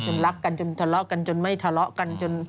รักกันจนทะเลาะกันจนไม่ทะเลาะกันจน